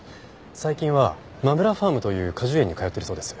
最近はまむらファームという果樹園に通っているそうです。